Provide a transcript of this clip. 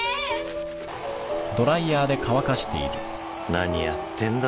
何やってんだ？